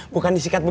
bukan disikat begini